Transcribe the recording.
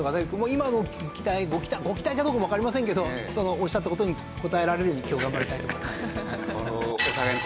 今の期待ご期待かどうかもわかりませんけどおっしゃった事に応えられるように今日は頑張りたいと思います。